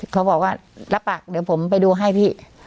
เขาบอกว่ารับปากเดี๋ยวผมไปดูให้พี่